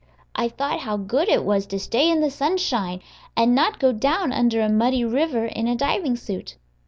I thought how good it was to stay in the sunshine, and not go down under a muddy river in a diving suit.